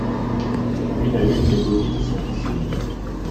Une à une les bobines sont visionnées.